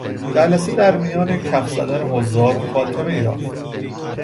جلسه در میان کف زدن حضار خاتمه یافت.